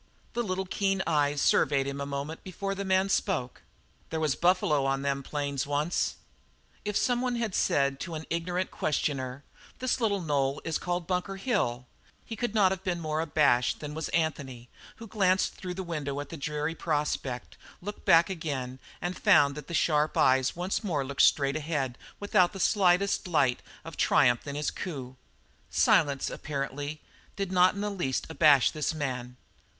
The little keen eyes surveyed him a moment before the man spoke. "There was buffalo on them plains once." If someone had said to an ignorant questioner, "This little knoll is called Bunker Hill," he could not have been more abashed than was Anthony, who glanced through the window at the dreary prospect, looked back again, and found that the sharp eyes once more looked straight ahead without the slightest light of triumph in his coup. Silence, apparently, did not in the least abash this man.